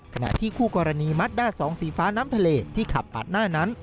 ขณะที่คู่กรณีมัดด้านสองสีฟ้าน้ำทะเลที่ขับปาดหน้านั้น